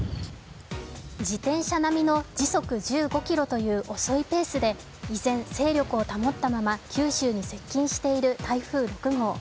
自転車並みの時速１５キロという遅いペースで依然、勢力を保ったまま九州に接近している台風６号。